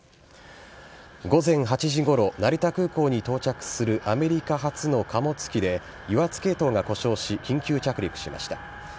午前８時ごろ、成田空港に到着するアメリカ発の貨物機で、油圧系統が故障し、緊急着陸しました。